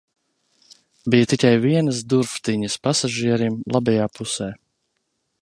Bija tikai vienas durvtiņas pasažierim labajā pusē.